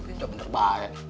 gak bener bener bahaya